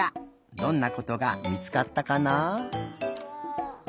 どんなことがみつかったかな。